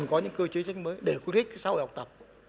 cần có những cơ chế trách mới để quyết định xã hội học tập